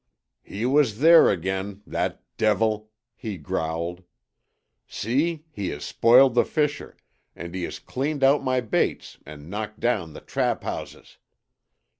"He was there again that devil!" he growled. "See, he has spoiled the fisher, and he has cleaned out my baits and knocked down the trap houses.